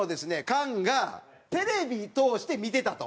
菅がテレビ通して見てたと。